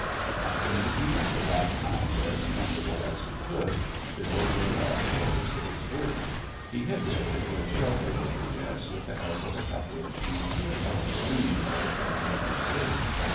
After making the black hound as comfortable as he could, Bill rode off for his day's work. He had rigged a good shelter over Jess with the help of a couple of sheets of stringy bark and a few stakes.